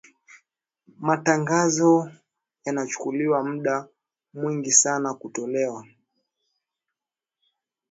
matangazo yanachukua muda mwingi sana kutolewa